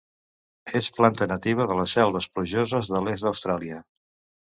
És planta nativa de les selves plujoses de l'est d'Austràlia.